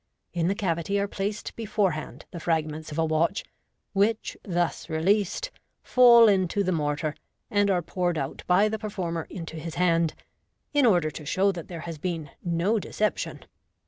In the cavity are placed before hand the fragments of a watch, which, thus released, fall into the mortar, and are poured out by the performer into his hand, in order to show that there has been " no deception."